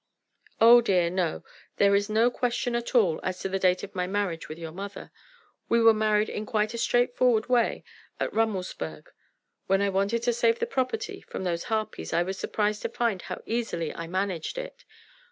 "Oh dear, no! there is no question at all as to the date of my marriage with your mother. We were married in quite a straightforward way at Rummelsburg. When I wanted to save the property from those harpies, I was surprised to find how easily I managed it.